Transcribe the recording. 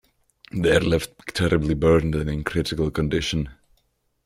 They are left terribly burned and in critical condition.